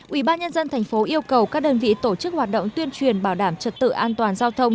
ubnd tp yêu cầu các đơn vị tổ chức hoạt động tuyên truyền bảo đảm trật tự an toàn giao thông